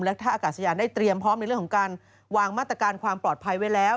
และท่าอากาศยานได้เตรียมพร้อมในเรื่องของการวางมาตรการความปลอดภัยไว้แล้ว